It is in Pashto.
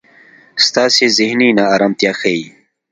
ستاسې زهني نا ارمتیا ښي.